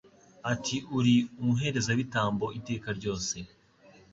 ati Uri umuherezabitambo iteka ryose